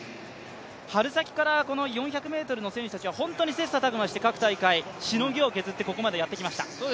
春先から４００ｍの選手たちは本当に切磋琢磨して各大会ここまでやってきました。